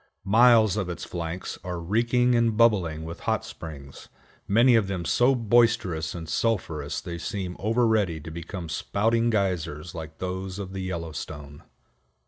Miles of its flanks are reeking and bubbling with hot springs, many of them so boisterous and sulphurous they seem over ready to become spouting geysers like those of the Yellowstone.